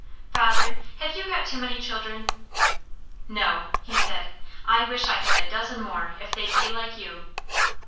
"Father, have you got too many children?" "No!" he said. "I wish I had a dozen more, if they'd be like you."